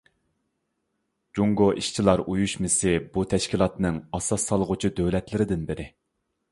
جۇڭگو ئىشچىلار ئۇيۇشمىسى بۇ تەشكىلاتنىڭ ئاساس سالغۇچى دۆلەتلىرىدىن بىرى.